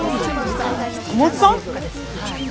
小松さん？